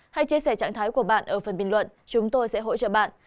hãy chia sẻ trạng thái của bạn ở phần bình luận chúng tôi sẽ hỗ trợ bạn